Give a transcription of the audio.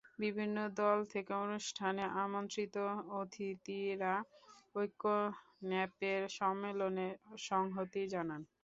বিভিন্ন দল থেকে অনুষ্ঠানে আমন্ত্রিত অতিথিরা ঐক্য ন্যাপের সম্মেলনে সংহতি জানান।